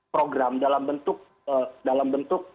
program dalam bentuk